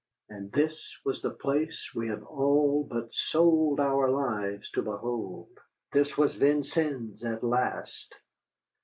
And this was the place we had all but sold our lives to behold! This was Vincennes at last!